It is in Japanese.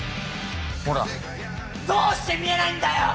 ほらどうして見えないんだよ！